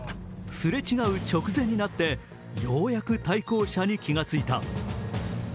すれちがう直前になってようやく対向車に気がついた。